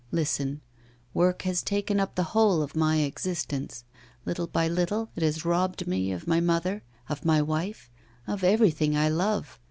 Listen; work has taken up the whole of my existence. Little by little, it has robbed me of my mother, of my wife, of everything I love.